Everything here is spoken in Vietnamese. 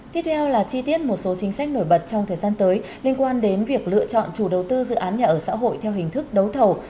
tiếp theo là chi tiết một số chính sách nổi bật trong thời gian tới liên quan đến việc lựa chọn chủ đầu tư dự án nhà ở xã hội theo hình thức đấu thầu